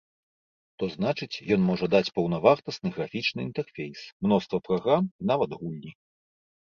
То значыць, ён можа даць паўнавартасны графічны інтэрфейс, мноства праграм і нават гульні.